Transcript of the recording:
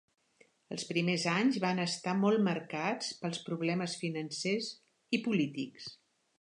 Els primers anys van estar molt marcats pels problemes financers i polítics.